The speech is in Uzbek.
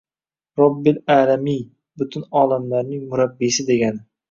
«Robbil a'lamiyn» – butun olamlarning murabbiysi degani